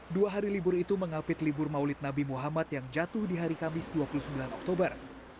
dua hari libur itu mengapit libur maulid nabi muhammad yang jatuh di hari kamis dua puluh sembilan oktober